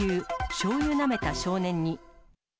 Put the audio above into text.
しょうゆなめた少年に。